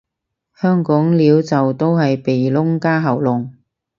香港撩就都係鼻窿加喉嚨